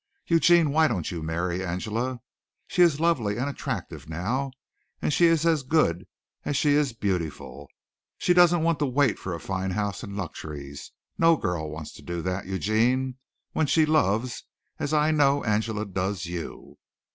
Eugene, why don't you marry Angela? She is lovely and attractive now and she is as good as she is beautiful. She doesn't want to wait for a fine house and luxuries no girl wants to do that, Eugene, when she loves as I know Angela does you.